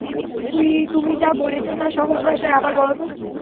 তুমি যা বলেছ তা সহজ ভাষায় আবার বলো তো!